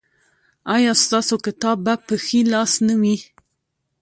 ایا ستاسو کتاب به په ښي لاس نه وي؟